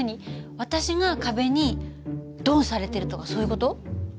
私が壁にドンされてるとかそういう事？